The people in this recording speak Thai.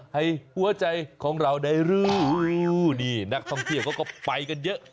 ให้หัวใจของเราได้รู้นี่นักท่องเที่ยวเขาก็ไปกันเยอะ